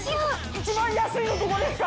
一番安いのここですか？